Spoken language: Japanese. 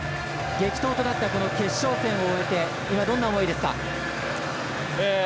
激闘となった決勝戦を終えて今、どんな思いですか？